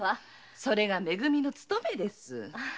それが「め組」の務めです。